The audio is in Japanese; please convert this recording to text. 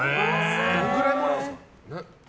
どのくらいもらうんですか？